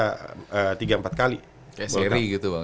tiga empat kali seri gitu